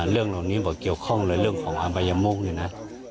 เรื่องเหล่านี้บอกเกี่ยวข้องเลยเรื่องของอบายมุกเนี่ยนะ